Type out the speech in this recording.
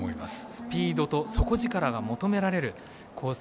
スピードと底力が求められるコース